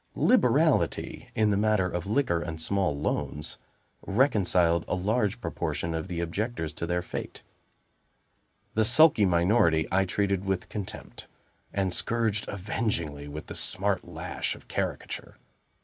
Liberality in the matter of liquor and small loans, reconciled a large proportion of the objectors to their fate; the sulky minority I treated with contempt, and scourged avengingly with the smart lash of caricature.